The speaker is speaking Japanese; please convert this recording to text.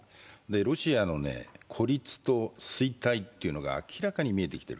ロシアの孤立と衰退というのが明らかに見えてきている。